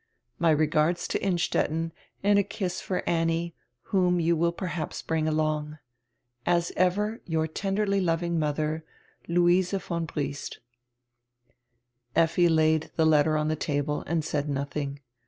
My regards to Innstetten, and a kiss for Annie, whom you will perhaps bring along. As ever your tenderly loving modier, Louise von B." Effi laid die letter on die table and said nothing.